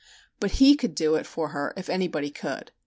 But he could do it for her if anybody could.